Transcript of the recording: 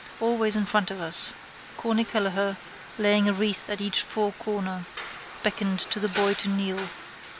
Always in front of us. Corny Kelleher, laying a wreath at each fore corner, beckoned to the boy to kneel.